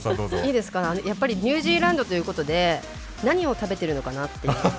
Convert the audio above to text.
ニュージーランドということで何を食べてるのかなっていう。